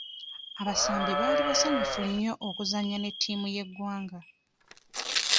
Abasambi baali basanyufu nnyo okuzannya ne ttiimu y'eggwanga.